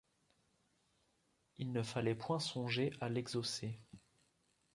Il ne fallait point songer à l’exhausser.